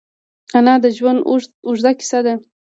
انا د ژوند اوږده کیسه ده